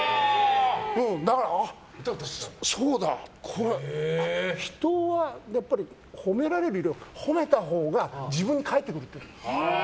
だから人はやっぱり、褒められるより褒めたほうが自分に返ってくる。